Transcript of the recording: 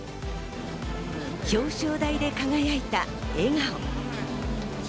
表彰台で輝いた笑顔。